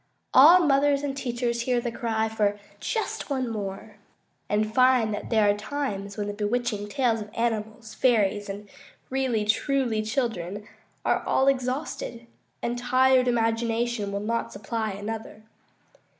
All mothers and teachers hear the cry for "just one more," and find that there are times when the bewitching tales of animals, fairies, and "really truly" children are all exhausted, and tired imagination will not supply another.